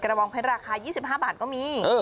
บองเพชรราคา๒๕บาทก็มี